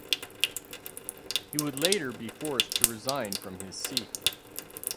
He would later be forced to resign from his seat.